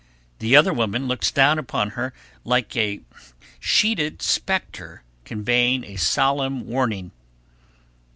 The other woman looks down upon her like a sheeted spectre conveying a solemn warning.